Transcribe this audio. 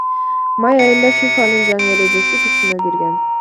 Май айында ФИФАнын жаңы эрежеси күчүнө кирген.